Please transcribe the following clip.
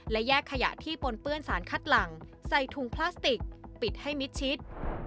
และแยกขยะที่ปนเปื้อนสารคัดหลังใส่ถุงพลาสติกปิดให้มิดชิด